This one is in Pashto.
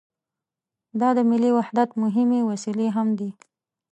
دا د ملي وحدت مهمې وسیلې هم دي.